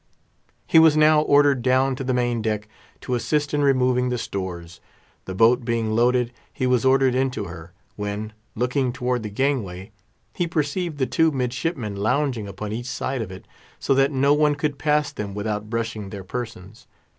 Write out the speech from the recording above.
He was now ordered down to the main deck to assist in removing the stores. The boat being loaded, he was ordered into her, when, looking toward the gangway, he perceived the two midshipmen lounging upon each side of it, so that no one could pass them without brushing their persons.